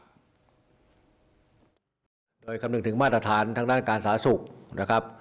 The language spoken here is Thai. โดยคำนึงถึงมาตรฐานทางด้านการสาธารณสุขนะครับ